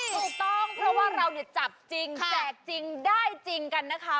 ถูกต้องเพราะว่าเราเนี่ยจับจริงแจกจริงได้จริงกันนะคะ